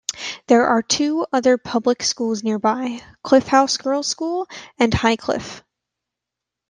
There are two other public schools nearby, Cliff House girls school and Highcliffe.